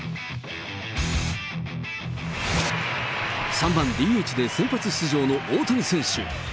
３番ＤＨで先発出場の大谷選手。